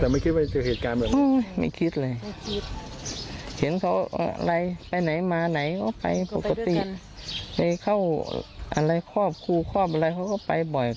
ไม่จี๊ดเลย